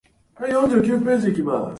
北海道芽室町